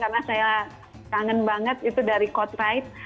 karena saya kangen banget itu dari kod rite